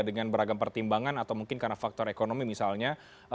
dengan beragam pertimbangan atau mungkin karena faktor ekonomi misalnya